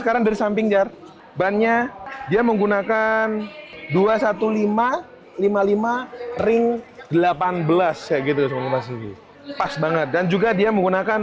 sekarang dari samping jar bannya dia menggunakan dua ratus lima belas lima puluh lima ring delapan belas kayak gitu pas banget dan juga dia menggunakan